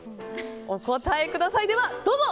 お答えください、どうぞ！